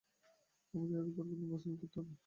আমাদের আগেই পরিকল্পনা বাস্তবায়ন করতে হবে।